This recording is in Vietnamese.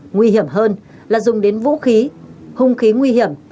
nguy hiểm hơn là dùng đến vũ khí hung khí nguy hiểm